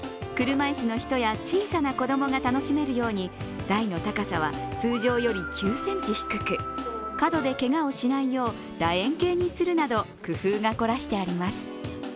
車いすの人や小さな子供が楽しめるように台の高さは通常より９ｃｍ低く角でけがをしないよう、だ円形にするなど工夫が凝らしてあります。